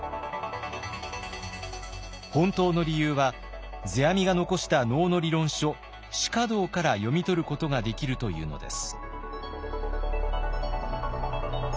本当の理由は世阿弥が残した能の理論書「至花道」から読み取ることができるというのです。